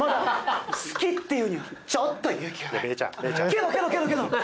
けどけどけどけど！